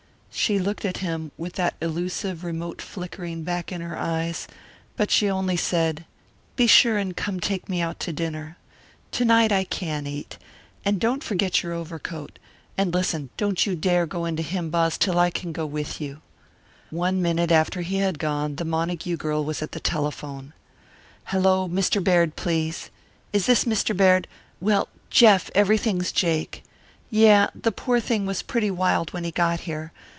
She looked at him, with that elusive, remote flickering back in her eyes, but she only said, "Be sure and come take me out to dinner. To night I can eat. And don't forget your overcoat. And listen don't you dare go into Himebaugh's till I can go with you." One minute after he had gone the Montague girl was at the telephone. "Hello! Mr. Baird, please. Is this Mr. Baird? Well, Jeff, everything's jake. Yeah. The poor thing was pretty wild when he got here.